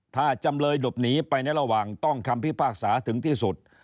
ถ้าจำเลยหลบหนีไปในระหว่างต้องคำพิพากษาถึงที่สุด